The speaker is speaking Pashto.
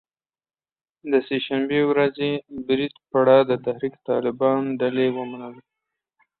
د سه شنبې ورځې برید پړه د تحریک طالبان ډلې ومنله